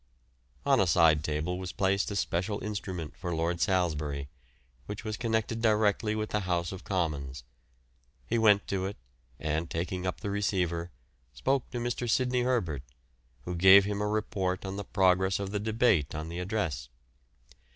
On a side table was placed a special instrument for Lord Salisbury, which was connected directly with the House of Commons. He went to it, and, taking up the receiver, spoke to Mr. Sydney Herbert, who gave him a report on the progress of the debate on the address.